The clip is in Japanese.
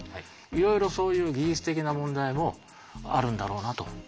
いろいろそういう技術的な問題もあるんだろうなと。